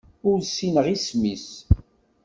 Ur ssineɣ isem-is.